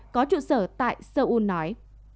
có trụ sở tại seoul nói